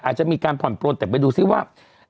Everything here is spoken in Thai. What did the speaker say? อาจจะมีการผ่อนปลนแต่ไปดูซิว่า